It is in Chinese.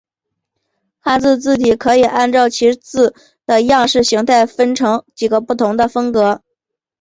汉字字体可以按照其字的样式形态分成几个不同的风格。